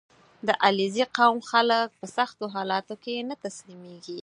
• د علیزي قوم خلک په سختو حالاتو کې نه تسلیمېږي.